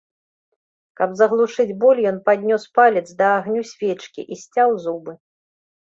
Каб заглушыць боль, ён паднёс палец да агню свечкі і сцяў зубы.